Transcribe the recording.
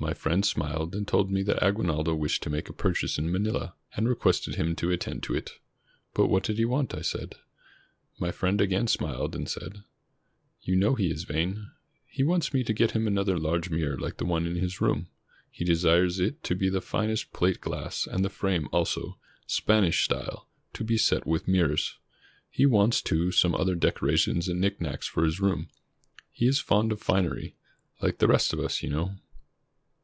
My friend smiled, and told me that Aguinaldo wished to make a purchase in Manila, and requested him to attend to it. "But what did he want?" I said. My friend again smiled, and said: — "You know he is vain. He wants me to get him another large mirror like the one in his room. He desires it to be the finest plate glass, and the frame, also, Span ish style, to be set with mirrors. He wants, too, some other decorations and knick knacks for his room. He is fond of finery — like the rest of us, you know."